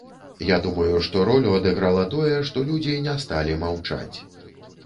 Я думаю, што ролю адыграла тое, што людзі не сталі маўчаць.